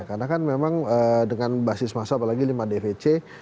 karena kan memang dengan basis masa apalagi lima dpc